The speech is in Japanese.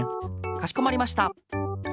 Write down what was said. かしこまりました。